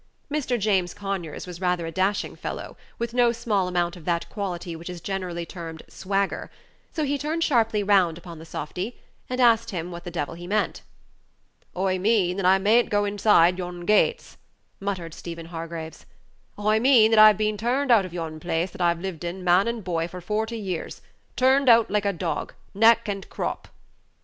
Mr. James Conyers was rather a dashing fellow, with no small amount of that quality which is generally termed "swagger," so he turned sharply round upon the softy and asked him what the devil he meant. "I mean that I may n't go inside yon gates," muttered Stephen Hargraves; "I mean that I've been turned out of yon place that I've lived in, man and boy, for forty years turned out like a dog, neck and crop."